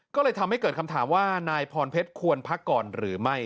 ก็เลยทำให้เกิดคำถามว่านายพรเพชรควรพักก่อนหรือไม่